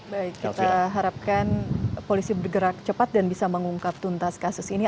baik kita harapkan polisi bergerak cepat dan bisa mengungkap tuntas kasus ini